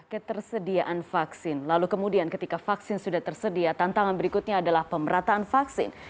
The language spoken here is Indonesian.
ketersediaan vaksin lalu kemudian ketika vaksin sudah tersedia tantangan berikutnya adalah pemerataan vaksin